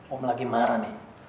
om lagi marah